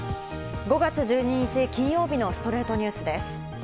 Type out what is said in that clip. ５月１２日、金曜日の『ストレイトニュース』です。